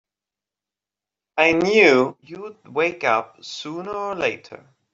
I knew you'd wake up sooner or later!